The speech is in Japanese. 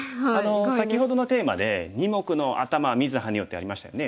先ほどのテーマで「二目のアタマは見ずハネよ！」ってありましたよね。